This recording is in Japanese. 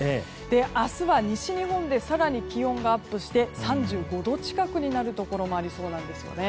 明日は西日本で更に気温がアップして３５度近くになるところもありそうなんです。